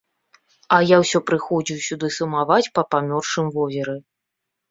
А я ўсё прыходзіў сюды сумаваць па памёршым возеры.